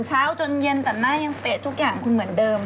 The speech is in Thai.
เช้าจนเย็นแต่หน้ายังเป๊ะทุกอย่างคุณเหมือนเดิม